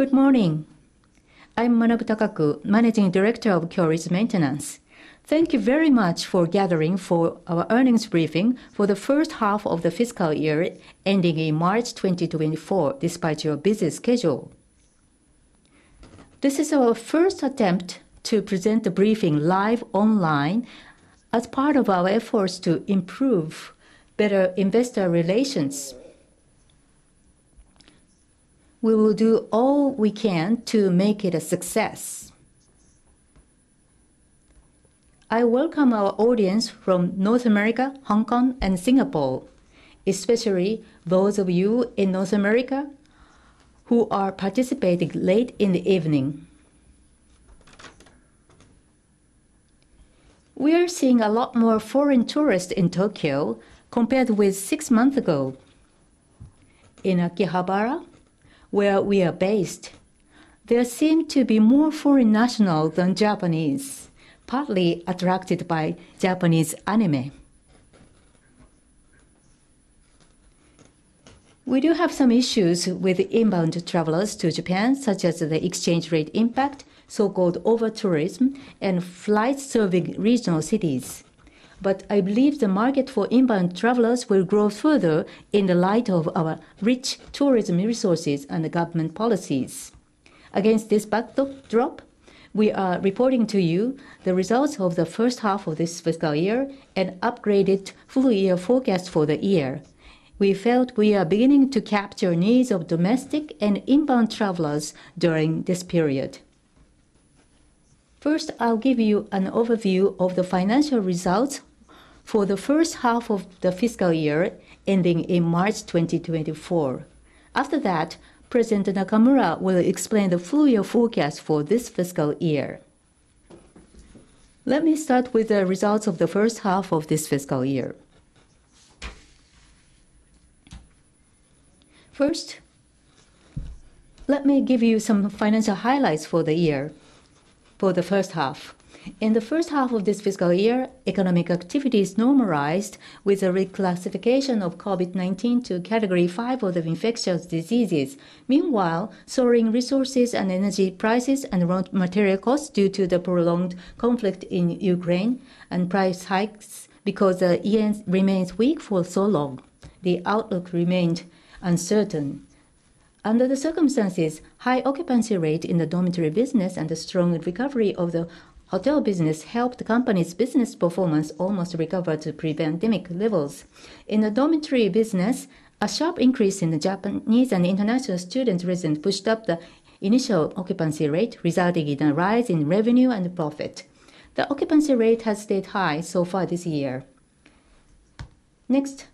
Good morning. I'm Manabu Takaku, Managing Director of Kyoritsu Maintenance. Thank you very much for gathering for our earnings briefing for the first half of the fiscal year ending in March 2024, despite your busy schedule. This is our first attempt to present the briefing live online as part of our efforts to improve better investor relations. We will do all we can to make it a success. I welcome our audience from North America, Hong Kong, and Singapore, especially those of you in North America who are participating late in the evening. We are seeing a lot more foreign tourists in Tokyo compared with six months ago. In Akihabara, where we are based, there seem to be more foreign nationals than Japanese, partly attracted by Japanese anime. We do have some issues with inbound travelers to Japan, such as the exchange rate impact, so-called over-tourism, and flights serving regional cities. But I believe the market for inbound travelers will grow further in the light of our rich tourism resources and the government policies. Against this backdrop, we are reporting to you the results of the first half of this fiscal year and upgraded full year forecast for the year. We felt we are beginning to capture needs of domestic and inbound travelers during this period. First, I'll give you an overview of the financial results for the first half of the fiscal year ending in March 2024. After that, President Nakamura will explain the full year forecast for this fiscal year. Let me start with the results of the first half of this fiscal year. First, let me give you some financial highlights for the year, for the first half. In the first half of this fiscal year, economic activity is normalized with a reclassification of COVID-19 to Category Five of the infectious diseases. Meanwhile, soaring resources and energy prices and raw material costs due to the prolonged conflict in Ukraine and price hikes because the yen remains weak for so long, the outlook remained uncertain. Under the circumstances, high occupancy rate in the dormitory business and the strong recovery of the hotel business helped the company's business performance almost recover to pre-pandemic levels. In the dormitory business, a sharp increase in the Japanese and international students recently pushed up the initial occupancy rate, resulting in a rise in revenue and profit. The occupancy rate has stayed high so far this year. Next,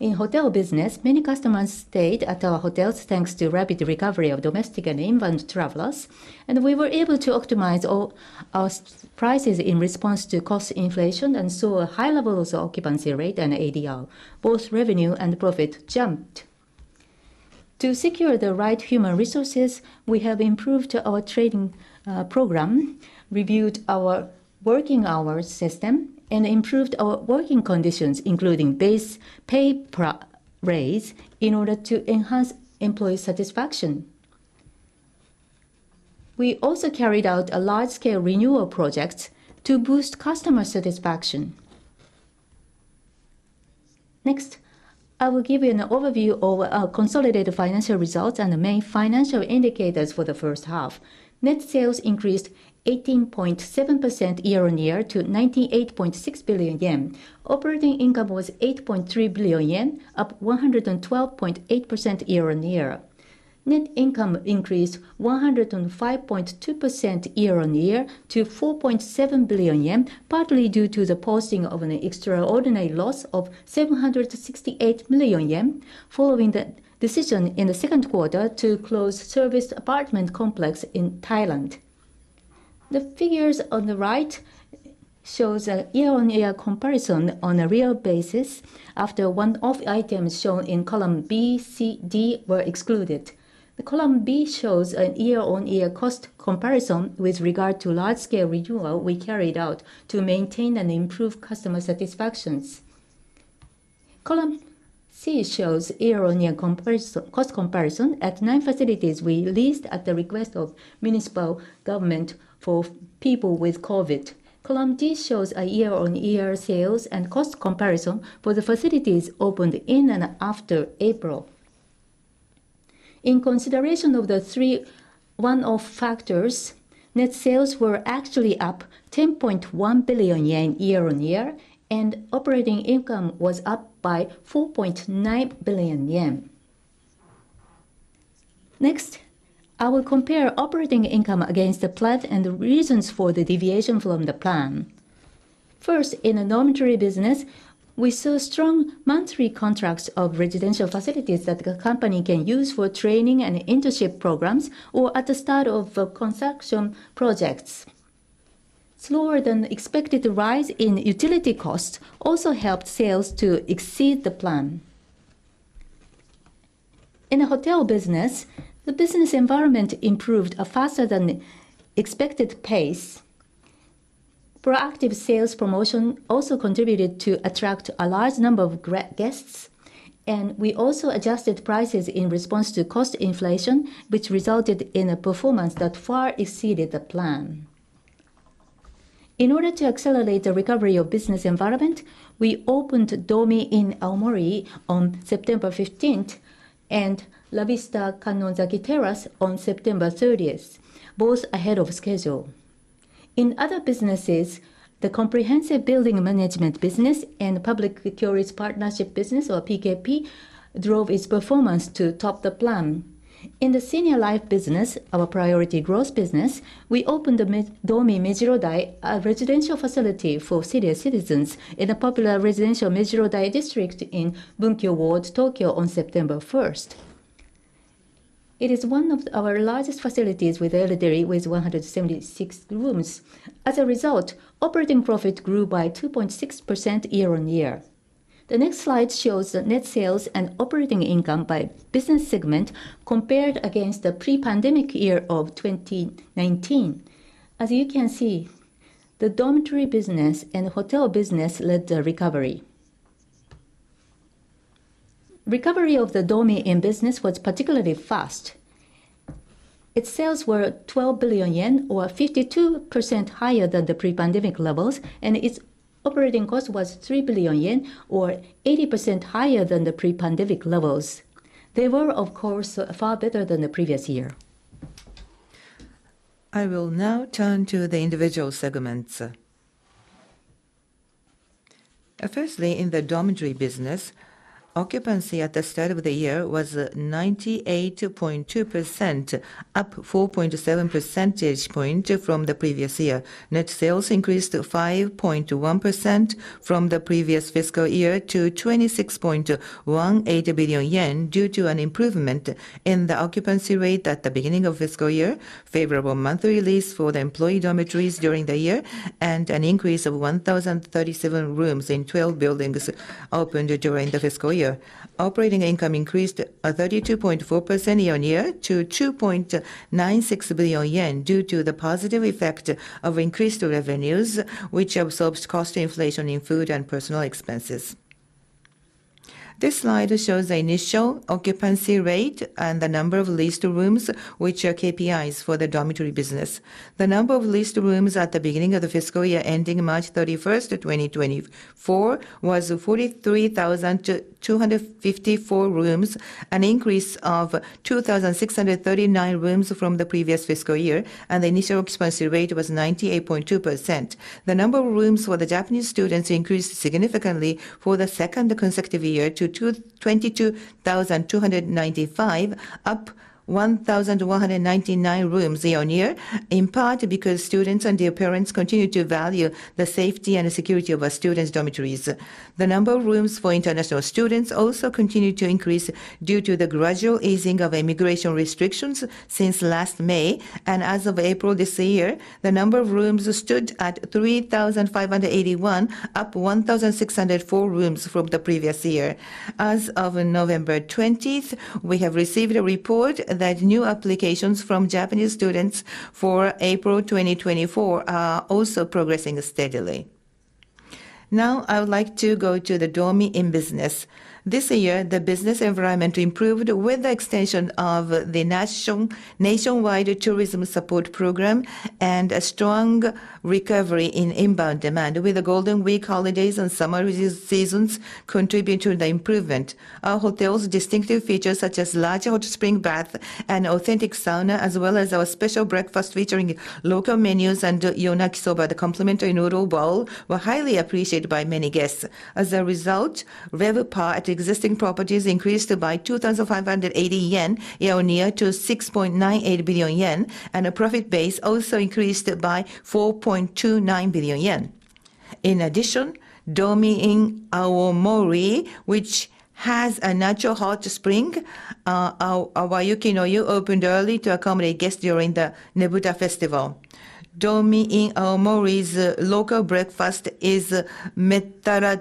in hotel business, many customers stayed at our hotels, thanks to rapid recovery of domestic and inbound travelers, and we were able to optimize all our prices in response to cost inflation and saw a high level of occupancy rate and ADR. Both revenue and profit jumped. To secure the right human resources, we have improved our training program, reviewed our working hours system, and improved our working conditions, including base pay raise, in order to enhance employee satisfaction. We also carried out a large-scale renewal project to boost customer satisfaction. Next, I will give you an overview of our consolidated financial results and the main financial indicators for the first half. Net sales increased 18.7% year-on-year to 98.6 billion yen. Operating income was 8.3 billion yen, up 112.8% year-on-year. Net income increased 105.2% year-on-year to 4.7 billion yen, partly due to the posting of an extraordinary loss of 768 million yen, following the decision in the Q2 to close serviced apartment complex in Thailand. The figures on the right show a year-on-year comparison on a real basis after one-off items shown in column B, C, D were excluded. Column B shows a year-on-year cost comparison with regard to large-scale renewal we carried out to maintain and improve customer satisfaction. Column C shows year-on-year comparison, cost comparison at nine facilities we leased at the request of municipal government for people with COVID. Column D shows a year-on-year sales and cost comparison for the facilities opened in and after April. In consideration of the three one-off factors, net sales were actually up 10.1 billion yen year-on-year, and operating income was up by 4.9 billion yen. Next, I will compare operating income against the plan and the reasons for the deviation from the plan. First, in the dormitory business, we saw strong monthly contracts of residential facilities that the company can use for training and internship programs or at the start of construction projects. Slower than expected rise in utility costs also helped sales to exceed the plan. In the hotel business, the business environment improved a faster than expected pace. Proactive sales promotion also contributed to attract a large number of guests, and we also adjusted prices in response to cost inflation, which resulted in a performance that far exceeded the plan. In order to accelerate the recovery of business environment, we opened Dormy Inn Aomori on September 15th, and La Vista Kannonzaki Terrace on September 30th, both ahead of schedule. In other businesses, the comprehensive building management business and public-private partnership business, or PKP, drove its performance to top the plan. In the senior life business, our priority growth business, we opened the Dormy Mejirodai, a residential facility for senior citizens in the popular residential Mejirodai district in Bunkyo Ward, Tokyo, on September 1st. It is one of our largest facilities with elderly, with 176 rooms. As a result, operating profit grew by 2.6% year-on-year. The next slide shows the net sales and operating income by business segment compared against the pre-pandemic year of 2019. As you can see, the dormitory business and the hotel business led the recovery. Recovery of the Dormy Inn business was particularly fast. Its sales were 12 billion yen, or 52% higher than the pre-pandemic levels, and its operating cost was 3 billion yen, or 80% higher than the pre-pandemic levels. They were, of course, far better than the previous year. I will now turn to the individual segments. Firstly, in the dormitory business, occupancy at the start of the year was 98.2%, up 4.7 percentage point from the previous year. Net sales increased to 5.1% from the previous fiscal year to 26.18 billion yen, due to an improvement in the occupancy rate at the beginning of fiscal year, favorable monthly lease for the employee dormitories during the year, and an increase of 1,037 rooms in 12 buildings opened during the fiscal year. Operating income increased 32.4% year-on-year to 2.96 billion yen, due to the positive effect of increased revenues, which absorbs cost inflation in food and personal expenses. This slide shows the initial occupancy rate and the number of leased rooms, which are KPIs for the dormitory business. The number of leased rooms at the beginning of the fiscal year ending March 31, 2024, was 43,254 rooms, an increase of 2,639 rooms from the previous fiscal year, and the initial occupancy rate was 98.2%. The number of rooms for the Japanese students increased significantly for the second consecutive year to 22,295, up 1,199 rooms year-on-year, in part because students and their parents continue to value the safety and security of our students' dormitories. The number of rooms for international students also continued to increase due to the gradual easing of immigration restrictions since last May, and as of April this year, the number of rooms stood at 3,581, up 1,604 rooms from the previous year. As of November 20, we have received a report that new applications from Japanese students for April 2024 are also progressing steadily. Now, I would like to go to the Dormy Inn business. This year, the business environment improved with the extension of the nationwide tourism support program and a strong recovery in inbound demand, with the Golden Week holidays and summer seasons contribute to the improvement. Our hotel's distinctive features, such as large hot spring bath and authentic sauna, as well as our special breakfast featuring local menus and Yonaki Soba, the complimentary noodle bowl, were highly appreciated by many guests. As a result, RevPAR at existing properties increased by 2,580 yen year-on-year to 6.98 billion yen, and a profit base also increased by 4.29 billion yen. In addition, Dormy Inn Aomori, which has a natural hot spring, Awayuki no Yu, opened early to accommodate guests during the Nebuta Festival. Dormy Inn Aomori's local breakfast is mettara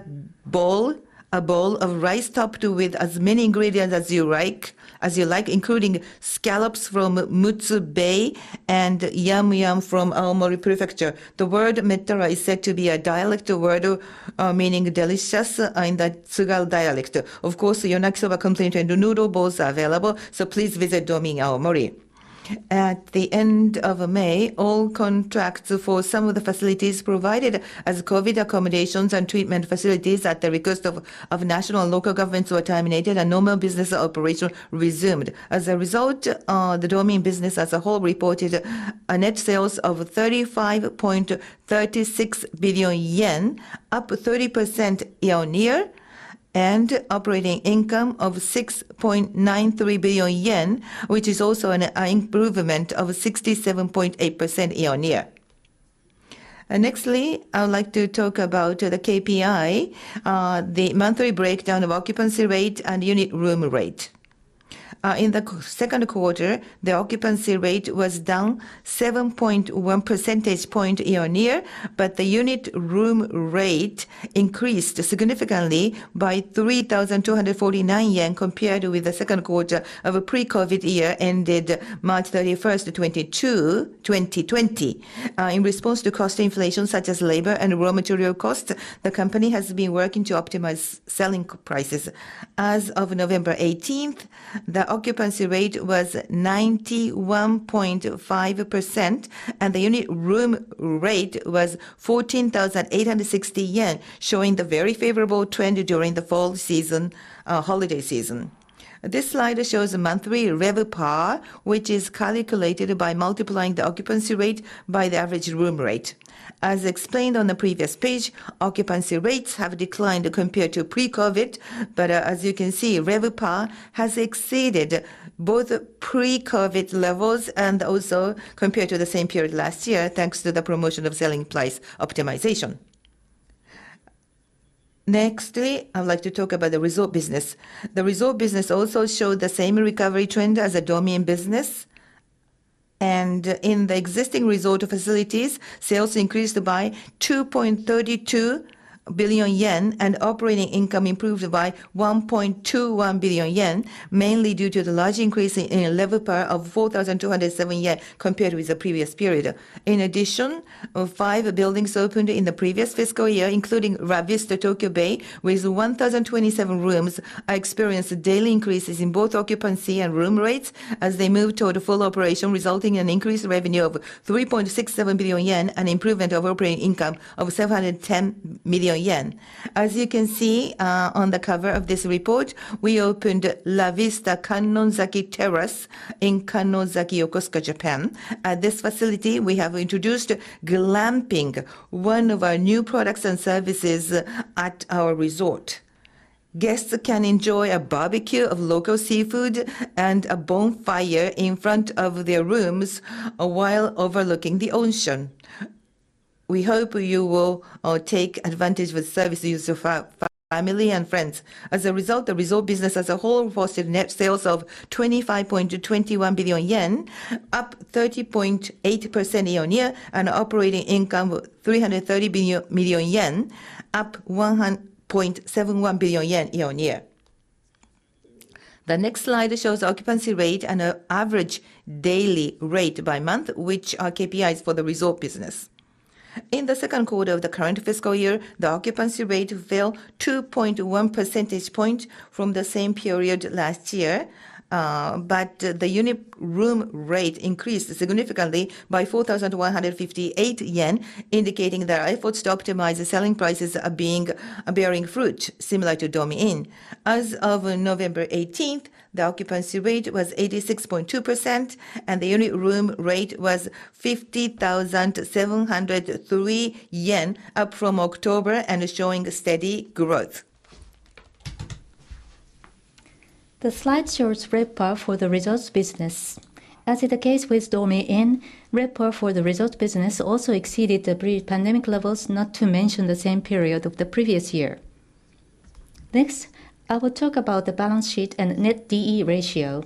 bowl, a bowl of rice topped with as many ingredients as you like, as you like, including scallops from Mutsu Bay and yam yam from Aomori Prefecture. The word mettara is said to be a dialect word, meaning delicious in the Tsugaru dialect. Of course, Yonaki Soba complimentary noodle bowls are available, so please visit Dormy Inn Aomori. At the end of May, all contracts for some of the facilities provided as COVID accommodations and treatment facilities at the request of national and local governments were terminated and normal business operation resumed. As a result, the Dormy Inn business as a whole reported net sales of 35.36 billion yen, up 30% year-on-year, and operating income of 6.93 billion yen, which is also an improvement of 67.8% year-on-year. Nextly, I would like to talk about the KPI, the monthly breakdown of occupancy rate and unit room rate. In the Q2, the occupancy rate was down 7.1 percentage points year-on-year, but the unit room rate increased significantly by 3,249 yen, compared with the Q2 of a pre-COVID year ended March 31, 2022. In response to cost inflation, such as labor and raw material costs, the company has been working to optimize selling prices. As of November 18, the occupancy rate was 91.5%, and the unit room rate was 14,860 yen, showing the very favorable trend during the fall season, holiday season. This slide shows the monthly RevPAR, which is calculated by multiplying the occupancy rate by the average room rate. As explained on the previous page, occupancy rates have declined compared to pre-COVID, but as you can see, RevPAR has exceeded both pre-COVID levels and also compared to the same period last year, thanks to the promotion of selling price optimization. Nextly, I'd like to talk about the resort business. The resort business also showed the same recovery trend as the Dormy Inn business. In the existing resort facilities, sales increased by 2.32 billion yen, and operating income improved by 1.21 billion yen, mainly due to the large increase in RevPAR of 4,207 yen compared with the previous period. In addition, 5 buildings opened in the previous fiscal year, including La Vista Tokyo Bay, with 1,027 rooms, experienced daily increases in both occupancy and room rates as they moved toward full operation, resulting in increased revenue of 3.67 billion yen and improvement of operating income of 710 million yen. As you can see, on the cover of this report, we opened La Vista Kannonzaki Terrace in Kannonzaki, Yokosuka, Japan. At this facility, we have introduced glamping, one of our new products and services at our resort. Guests can enjoy a barbecue of local seafood and a bonfire in front of their rooms while overlooking the onsen. We hope you will take advantage of services with family and friends. As a result, the resort business as a whole posted net sales of 25.21 billion yen, up 30.8% year-on-year, and operating income, 330 million yen, up 1.71 billion yen year-on-year. The next slide shows occupancy rate and, average daily rate by month, which are KPIs for the resort business. In the Q2 of the current fiscal year, the occupancy rate fell 2.1 percentage point from the same period last year, but the unit room rate increased significantly by 4,158 yen, indicating that our efforts to optimize the selling prices are bearing fruit, similar to Dormy Inn. As of November eighteenth, the occupancy rate was 86.2%, and the unit room rate was 50,703 yen, up from October and showing steady growth. The slide shows RevPAR for the resorts business. As is the case with Dormy Inn, RevPAR for the resorts business also exceeded the pre-pandemic levels, not to mention the same period of the previous year. Next, I will talk about the balance sheet and net D/E ratio.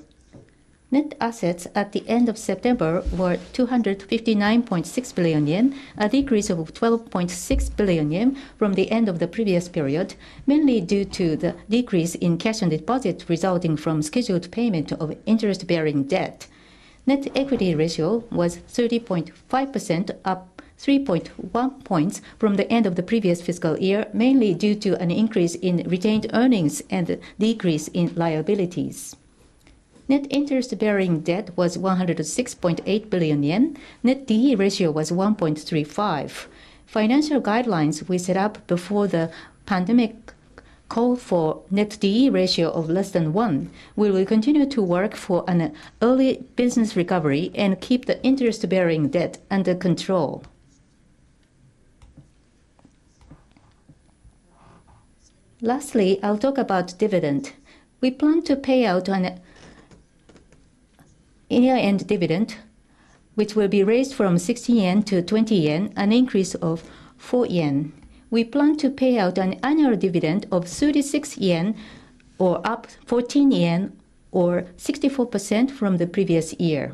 Net assets at the end of September were 259.6 billion yen, a decrease of 12.6 billion yen from the end of the previous period, mainly due to the decrease in cash and deposits resulting from scheduled payment of interest-bearing debt. Net equity ratio was 30.5%, up 3.1 points from the end of the previous fiscal year, mainly due to an increase in retained earnings and a decrease in liabilities. Net interest-bearing debt was 106.8 billion yen. Net D/E ratio was 1.35. Financial guidelines we set up before the pandemic call for net D/E ratio of less than 1. We will continue to work for an early business recovery and keep the interest-bearing debt under control. Lastly, I'll talk about dividend. We plan to pay out on a year-end dividend, which will be raised from 60 yen to 20 yen, an increase of 4 yen. We plan to pay out an annual dividend of 36 yen, or up 14 yen, or 64% from the previous year.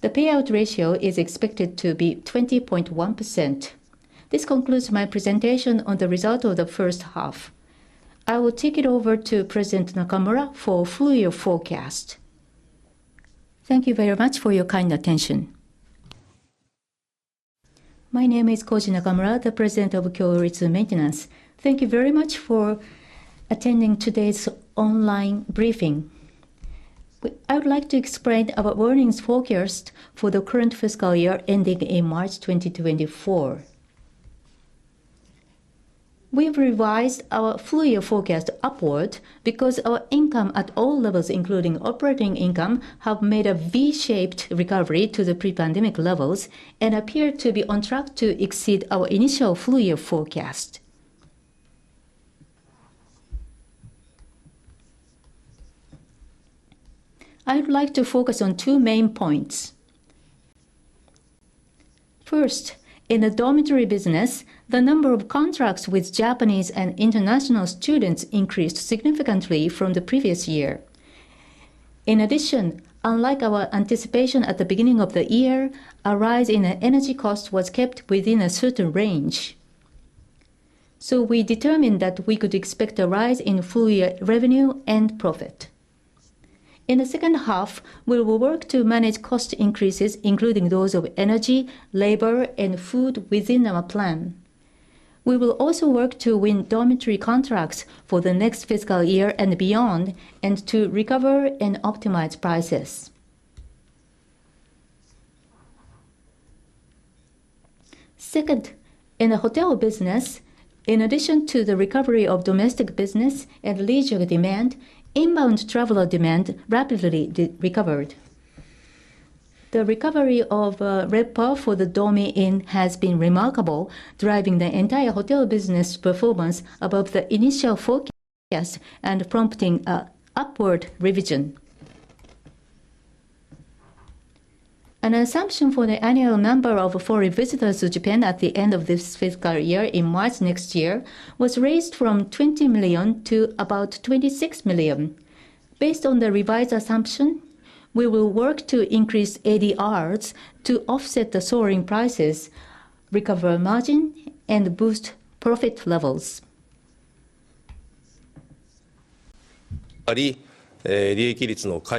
The payout ratio is expected to be 20.1%. This concludes my presentation on the result of the first half. I will take it over to President Nakamura for full year forecast. Thank you very much for your kind attention. My name is Koji Nakamura, President of Kyoritsu Maintenance. Thank you very much for attending today's online briefing. I would like to explain our earnings forecast for the current fiscal year, ending in March 2024. We've revised our full year forecast upward because our income at all levels, including operating income, have made a V-shaped recovery to the pre-pandemic levels and appear to be on track to exceed our initial full year forecast. I would like to focus on two main points. First, in the dormitory business, the number of contracts with Japanese and international students increased significantly from the previous year. In addition, unlike our anticipation at the beginning of the year, a rise in the energy cost was kept within a certain range. So we determined that we could expect a rise in full year revenue and profit. In the second half, we will work to manage cost increases, including those of energy, labor, and food within our plan. We will also work to win dormitory contracts for the next fiscal year and beyond, and to recover and optimize prices. Second, in the hotel business, in addition to the recovery of domestic business and leisure demand, inbound traveler demand rapidly recovered. The recovery of RevPAR for the Dormy Inn has been remarkable, driving the entire hotel business performance above the initial forecast and prompting an upward revision. An assumption for the annual number of foreign visitors to Japan at the end of this fiscal year, in March next year, was raised from 20 million to about 26 million. Based on the revised assumption, we will work to increase ADRs to offset the soaring prices, recover margin, and boost profit levels. Next, I look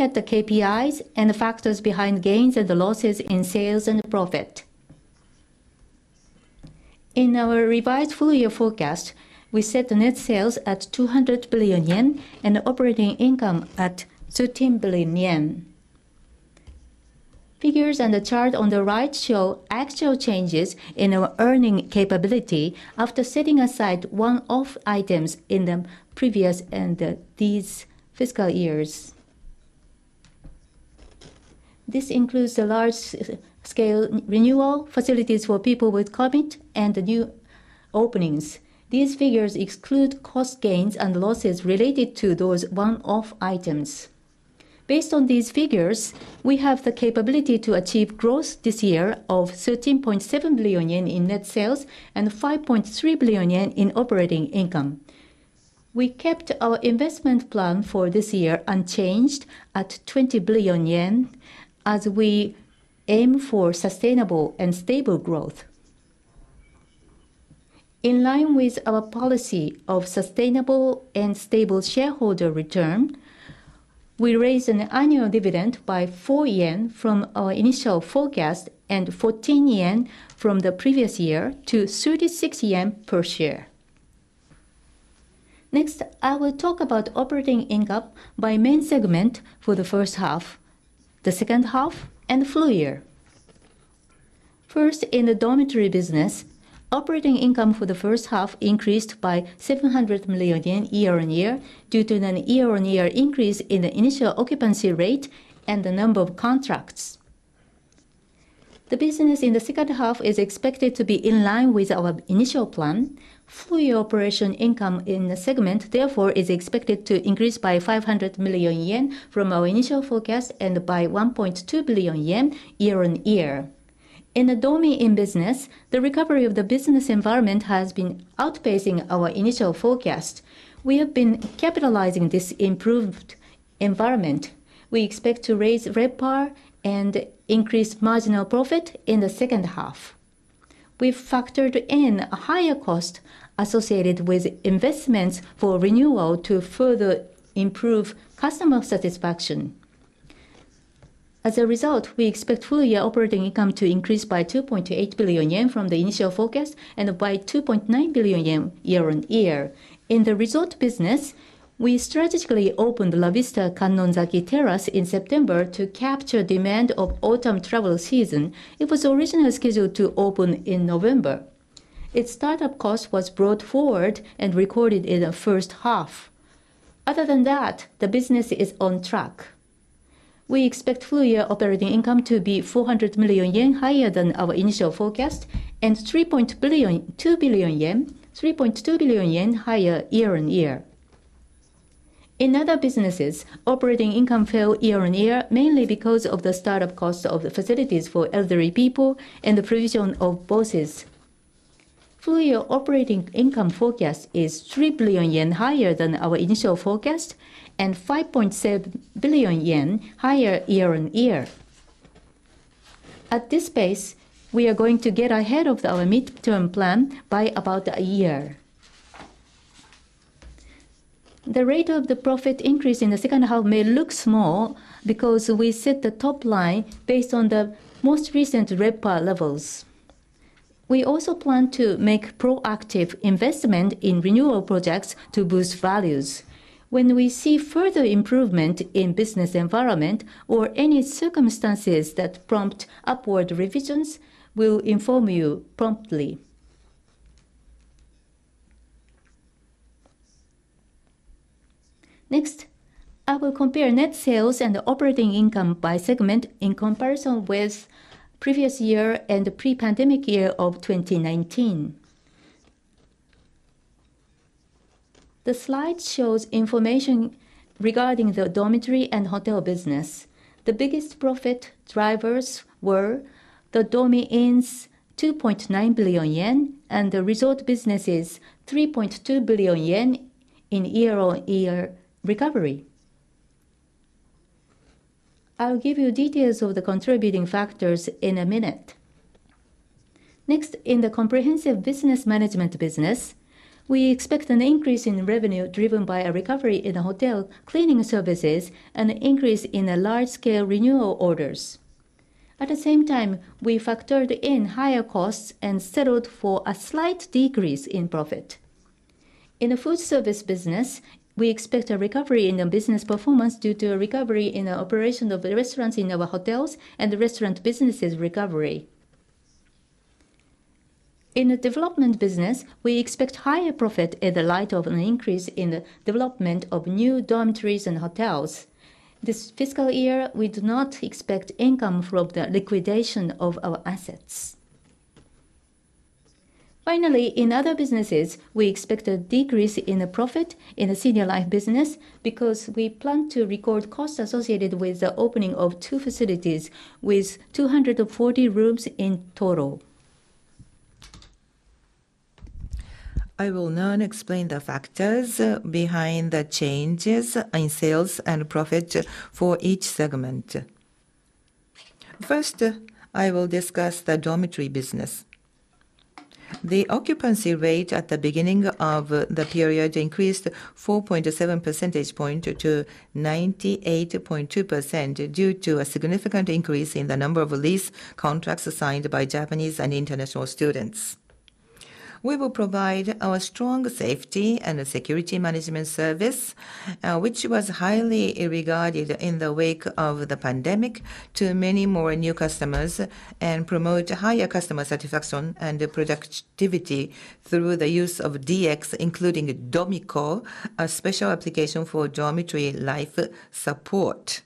at the KPIs and the factors behind gains and the losses in sales and profit. In our revised full year forecast, we set the net sales at 200 billion yen and operating income at 13 billion yen. Figures on the chart on the right show actual changes in our earning capability after setting aside one-off items in the previous and these fiscal years. This includes the large-scale renewal facilities for people with COVID and the new openings. These figures exclude cost gains and losses related to those one-off items. Based on these figures, we have the capability to achieve growth this year of 13.7 billion yen in net sales and 5.3 billion yen in operating income. We kept our investment plan for this year unchanged at 20 billion yen as we aim for sustainable and stable growth. In line with our policy of sustainable and stable shareholder return, we raised an annual dividend by 4 yen from our initial forecast and 14 yen from the previous year to 36 yen per share. Next, I will talk about operating income by main segment for the first half, the second half, and the full year. First, in the dormitory business, operating income for the first half increased by 700 million yen year-on-year, due to a year-on-year increase in the initial occupancy rate and the number of contracts. The business in the second half is expected to be in line with our initial plan. Full year operating income in the segment, therefore, is expected to increase by 500 million yen from our initial forecast and by 1.2 billion yen year-on-year. In the Dormy Inn business, the recovery of the business environment has been outpacing our initial forecast. We have been capitalizing this improved environment. We expect to raise RevPAR and increase marginal profit in the second half. We've factored in a higher cost associated with investments for renewal to further improve customer satisfaction. As a result, we expect full year operating income to increase by 2.8 billion yen from the initial forecast and by 2.9 billion yen year-on-year. In the resort business, we strategically opened La Vista Kannonzaki Terrace in September to capture demand of autumn travel season. It was originally scheduled to open in November. Its start-up cost was brought forward and recorded in the first half. Other than that, the business is on track. We expect full year operating income to be 400 million yen higher than our initial forecast, and 3.2 billion higher year-on-year. In other businesses, operating income fell year-on-year, mainly because of the start-up cost of the facilities for elderly people and the provision of bonuses. Full year operating income forecast is 3 billion yen higher than our initial forecast, and 5.7 billion yen higher year-on-year. At this pace, we are going to get ahead of our midterm plan by about a year. The rate of the profit increase in the second half may look small because we set the top line based on the most recent RevPAR levels. We also plan to make proactive investment in renewal projects to boost values. When we see further improvement in business environment or any circumstances that prompt upward revisions, we'll inform you promptly. Next, I will compare net sales and operating income by segment in comparison with previous year and the pre-pandemic year of 2019. The slide shows information regarding the dormitory and hotel business. The biggest profit drivers were the Dormy Inns, 2.9 billion yen, and the resort businesses, 3.2 billion yen in year-on-year recovery. I'll give you details of the contributing factors in a minute. Next, in the comprehensive business management business, we expect an increase in revenue driven by a recovery in the hotel cleaning services and an increase in the large-scale renewal orders. At the same time, we factored in higher costs and settled for a slight decrease in profit. In the food service business, we expect a recovery in the business performance due to a recovery in the operation of the restaurants in our hotels and the restaurant business's recovery. In the development business, we expect higher profit in the light of an increase in the development of new dormitories and hotels. This fiscal year, we do not expect income from the liquidation of our assets. Finally, in other businesses, we expect a decrease in the profit in the senior life business because we plan to record costs associated with the opening of two facilities with 240 rooms in total. I will now explain the factors behind the changes in sales and profit for each segment. First, I will discuss the dormitory business. The occupancy rate at the beginning of the period increased 4.7 percentage points to 98.2%, due to a significant increase in the number of lease contracts signed by Japanese and international students. We will provide our strong safety and security management service, which was highly regarded in the wake of the pandemic, to many more new customers and promote higher customer satisfaction and productivity through the use of DX, including Domico, a special application for dormitory life support.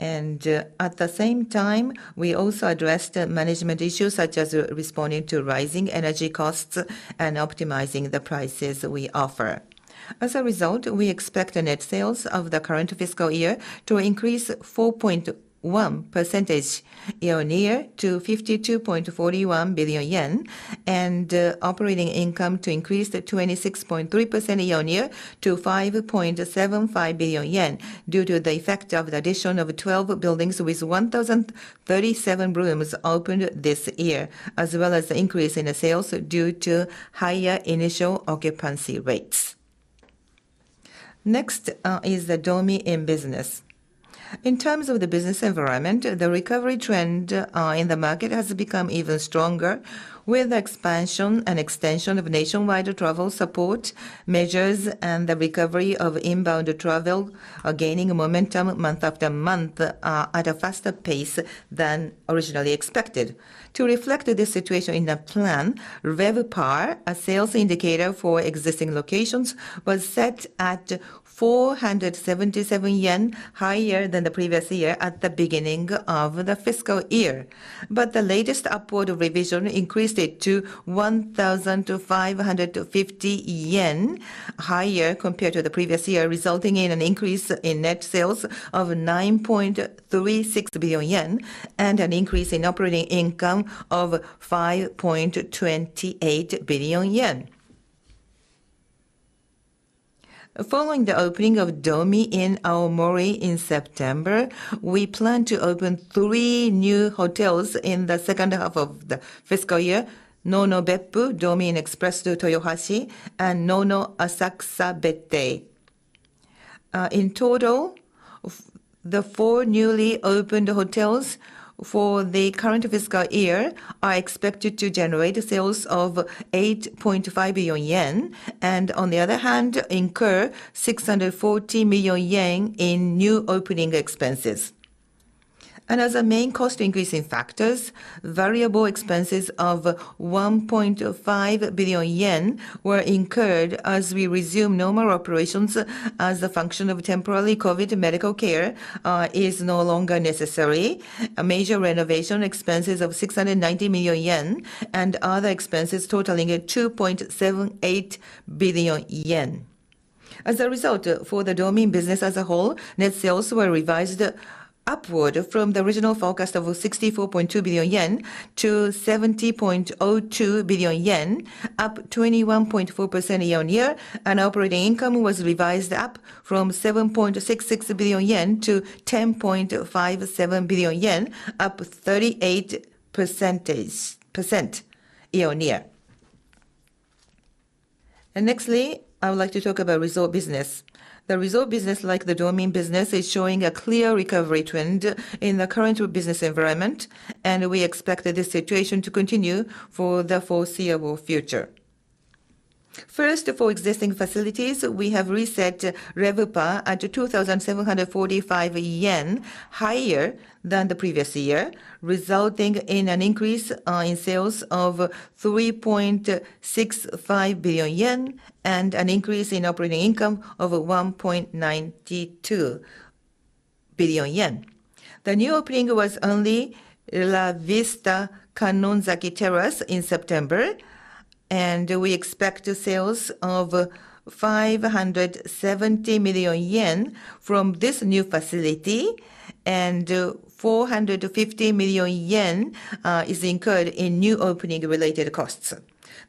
And, at the same time, we also addressed management issues such as responding to rising energy costs and optimizing the prices we offer. As a result, we expect the net sales of the current fiscal year to increase 4.1% year-on-year to 52.41 billion yen, and operating income to increase 26.3% year-on-year to 5.75 billion yen due to the effect of the addition of 12 buildings, with 1,037 rooms opened this year, as well as the increase in the sales due to higher initial occupancy rates. Next, is the Dormy Inn business. In terms of the business environment, the recovery trend, in the market has become even stronger, with expansion and extension of nationwide travel support measures and the recovery of inbound travel are gaining momentum month after month, at a faster pace than originally expected. To reflect this situation in the plan, RevPAR, a sales indicator for existing locations, was set at 477 yen, higher than the previous year at the beginning of the fiscal year. But the latest upward revision increased it to 1,550 yen, higher compared to the previous year, resulting in an increase in net sales of 9.36 billion yen and an increase in operating income of 5.28 billion yen. Following the opening of Dormy Inn Aomori in September, we plan to open three new hotels in the second half of the fiscal year: Onyado Nono Beppu, Dormy Inn Express Toyohashi, and Onyado Nono Asakusa Bettei. In total, the four newly opened hotels for the current fiscal year are expected to generate sales of 8.5 billion yen and, on the other hand, incur 640 million yen in new opening expenses. And as a main cost increasing factors, variable expenses of 1.5 billion yen were incurred as we resume normal operations as a function of temporary COVID medical care is no longer necessary, a major renovation expenses of 690 million yen, and other expenses totaling at 2.78 billion yen. As a result, for the Dormy Inn business as a whole, net sales were revised upward from the original forecast of 64.2 billion yen to 70.02 billion yen, up 21.4% year-on-year. Operating income was revised up from 7.66 billion yen to 10.57 billion yen, up 38% year-on-year. Nextly, I would like to talk about resort business. The resort business, like the Dormy Inn business, is showing a clear recovery trend in the current business environment, and we expect this situation to continue for the foreseeable future. First, for existing facilities, we have reset RevPAR to 2,745 yen, higher than the previous year, resulting in an increase in sales of 3.65 billion yen and an increase in operating income of 1.92 billion yen. The new opening was only La Vista Kannonzaki Terrace in September, and we expect sales of 570 million yen from this new facility, and 450 million yen is incurred in new opening related costs.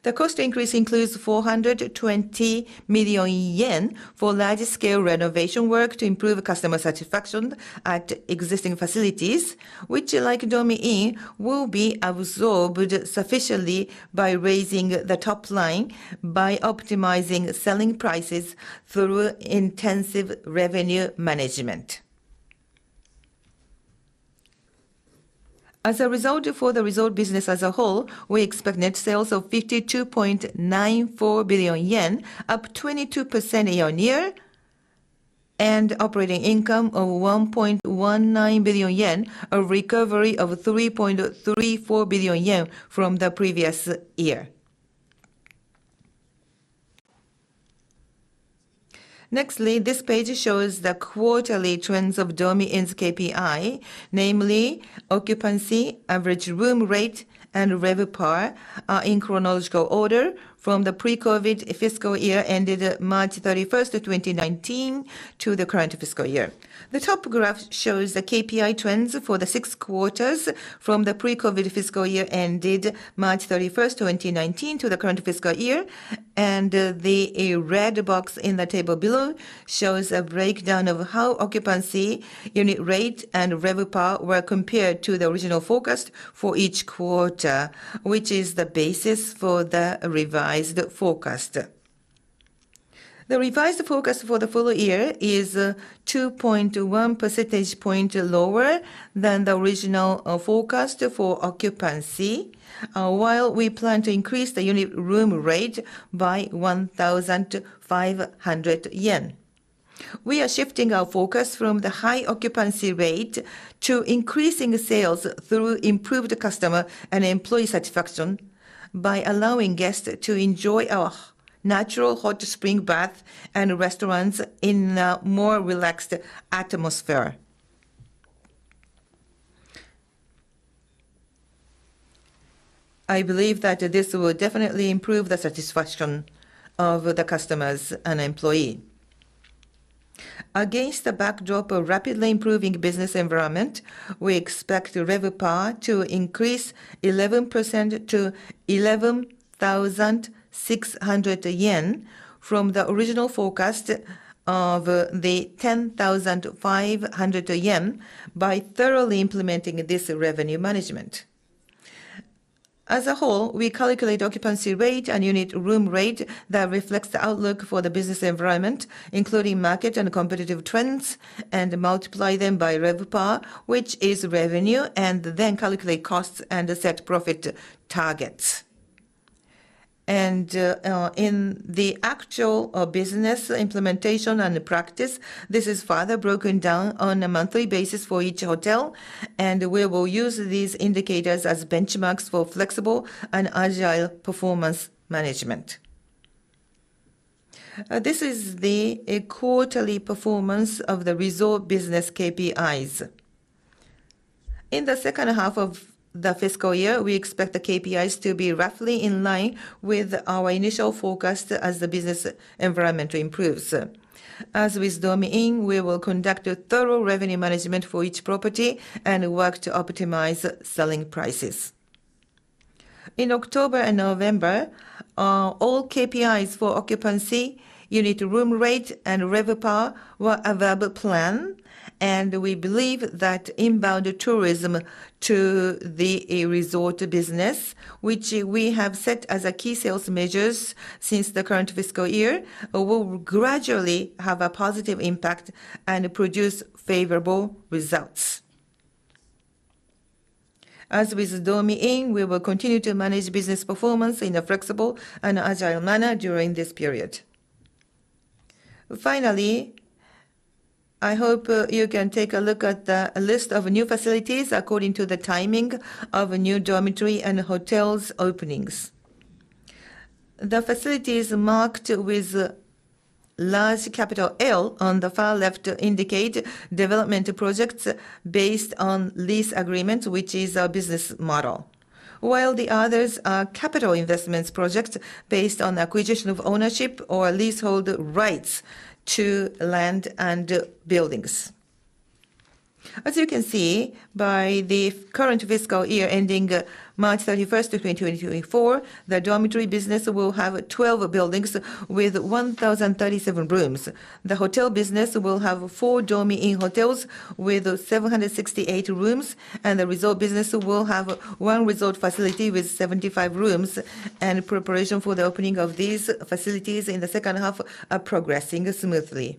The cost increase includes 420 million yen for large-scale renovation work to improve customer satisfaction at existing facilities, which, like Dormy Inn, will be absorbed sufficiently by raising the top line, by optimizing selling prices through intensive revenue management. As a result, for the resort business as a whole, we expect net sales of 52.94 billion yen, up 22% year-on-year, and operating income of 1.19 billion yen, a recovery of 3.34 billion yen from the previous year. Next, this page shows the quarterly trends of Dormy Inn's KPI, namely occupancy, average room rate, and RevPAR, in chronological order from the pre-COVID fiscal year ended March 31, 2019, to the current fiscal year. The top graph shows the KPI trends for the six quarters from the pre-COVID fiscal year ended March 31, 2019, to the current fiscal year. The red box in the table below shows a breakdown of how occupancy, unit rate, and RevPAR were compared to the original forecast for each quarter, which is the basis for the revised forecast. The revised forecast for the full year is 2.1 percentage point lower than the original forecast for occupancy, while we plan to increase the unit room rate by 1,500 yen. We are shifting our focus from the high occupancy rate to increasing sales through improved customer and employee satisfaction by allowing guests to enjoy our natural hot spring bath and restaurants in a more relaxed atmosphere. I believe that this will definitely improve the satisfaction of the customers and employee. Against the backdrop of rapidly improving business environment, we expect RevPAR to increase 11% to 11,600 yen from the original forecast of 10,500 yen by thoroughly implementing this revenue management. As a whole, we calculate occupancy rate and unit room rate that reflects the outlook for the business environment, including market and competitive trends, and multiply them by RevPAR, which is revenue, and then calculate costs and set profit targets. In the actual business implementation and practice, this is further broken down on a monthly basis for each hotel, and we will use these indicators as benchmarks for flexible and agile performance management. This is the quarterly performance of the resort business KPIs. In the second half of the fiscal year, we expect the KPIs to be roughly in line with our initial forecast as the business environment improves. As with Dormy Inn, we will conduct a thorough revenue management for each property and work to optimize selling prices. In October and November, all KPIs for occupancy, unit room rate, and RevPAR were above plan, and we believe that inbound tourism to the resort business, which we have set as a key sales measures since the current fiscal year, will gradually have a positive impact and produce favorable results. As with Dormy Inn, we will continue to manage business performance in a flexible and agile manner during this period. Finally, I hope you can take a look at the list of new facilities according to the timing of new dormitory and hotels' openings. The facilities marked with large capital L on the far left indicate development projects based on lease agreements, which is our business model, while the others are capital investments projects based on acquisition of ownership or leasehold rights to land and buildings. As you can see, by the current fiscal year ending March 31, 2024, the dormitory business will have 12 buildings with 1,037 rooms. The hotel business will have 4 Dormy Inn hotels with 768 rooms, and the resort business will have 1 resort facility with 75 rooms. Preparation for the opening of these facilities in the second half are progressing smoothly.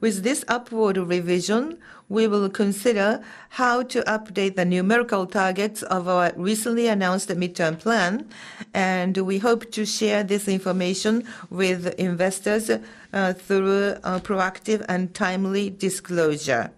With this upward revision, we will consider how to update the numerical targets of our recently announced midterm plan, and we hope to share this information with investors through a proactive and timely disclosure.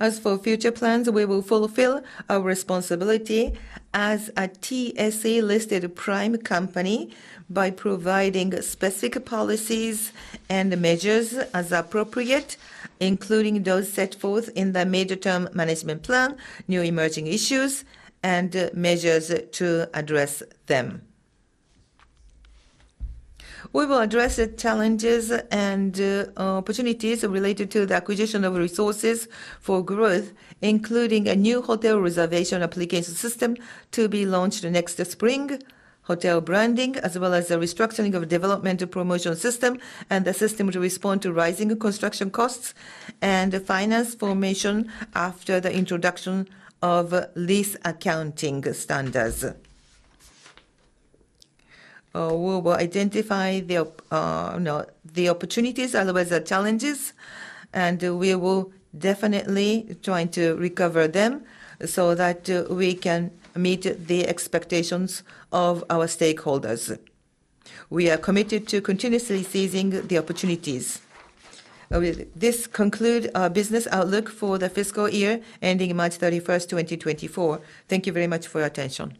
As for future plans, we will fulfill our responsibility as a TSE Prime-listed company by providing specific policies and measures as appropriate, including those set forth in the mid-term management plan, new emerging issues, and measures to address them. We will address the challenges and opportunities related to the acquisition of resources for growth, including a new hotel reservation application system to be launched next spring, hotel branding, as well as the restructuring of development and promotional system, and a system to respond to rising construction costs and finance formation after the introduction of lease accounting standards. We will identify the opportunities, as well as the challenges, and we will definitely try to recover them so that we can meet the expectations of our stakeholders. We are committed to continuously seizing the opportunities. With this conclude our business outlook for the fiscal year ending March 31, 2024. Thank you very much for your attention.